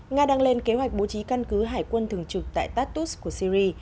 nga đang lên kế hoạch bố trí căn cứ hải quân thường trực tại tatus của syri